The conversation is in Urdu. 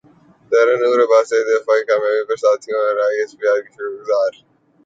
زارا نور عباس عہد وفا کی کامیابی پر ساتھیوں اور ائی ایس پی ار کی شکر گزار